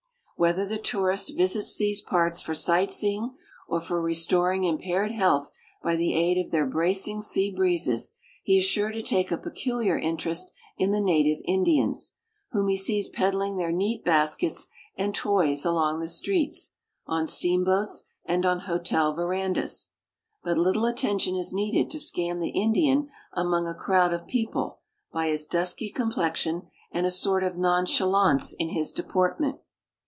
Whether the tourist visits these parts for sightseeing or for restoring impaired health by the aid of their bracing sea breezes, he is sure to take a peculiar interest in the native Indians, whom he sees peddling their neat baskets and toys along the streets, on steamboats, and on hotel verandas. But little attention is needed to scan the Indian among a crowd of people by his dusky com})lexion and a sort of nonchalance in his deportment.